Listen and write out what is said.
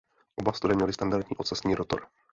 Oba stroje měly standardní ocasní rotor.